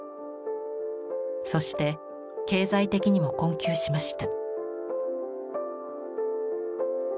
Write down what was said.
そして経済的にも困窮しました。